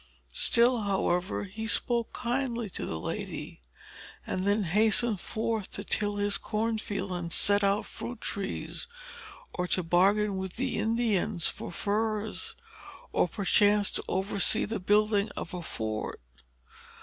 Still, however, he spoke kindly to the lady, and then hastened forth to till his corn field and set out fruit trees, or to bargain with the Indians for furs, or perchance to oversee the building of a fort.